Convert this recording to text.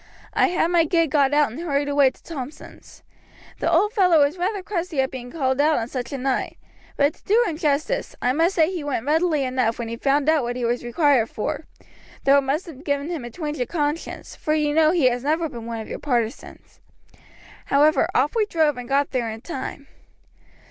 I had my gig got out and hurried away to Thompson's. The old fellow was rather crusty at being called out on such a night, but to do him justice, I must say he went readily enough when he found what he was required for, though it must have given him a twinge of conscience, for you know he has never been one of your partisans. However, off we drove, and got there in time.